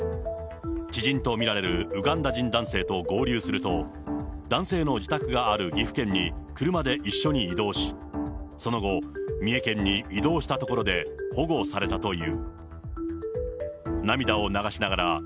知人と見られるウガンダ人男性と合流すると、男性の自宅がある岐阜県に車で一緒に移動し、その後、三重県に移動したところで保護されたという。